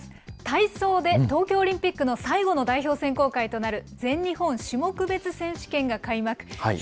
体操で東京オリンピックの最後の代表選考会となる全日本種目別選手権が開幕。